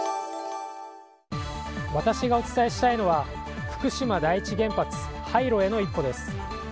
私がお伝えしたいのは福島第一原発廃炉への一歩です。